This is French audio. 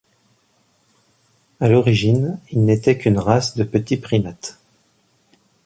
À l'origine, ils n'étaient qu'une race de petits primates.